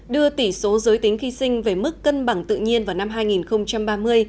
đưa tỷ số giới tính khi sinh về mức cân bằng tự nhiên vào năm hai nghìn ba mươi